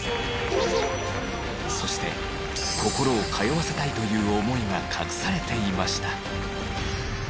そして心を通わせたいという思いが隠されていました